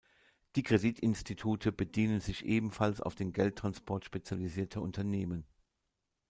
Die Kreditinstitute bedienen sich ebenfalls auf den Geldtransport spezialisierter Unternehmen.